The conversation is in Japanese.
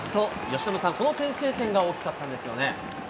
由伸さん、この先制点が大きかったんですよね。